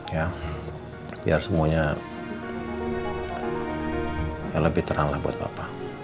ya biar semuanya yang lebih teranglah buat papa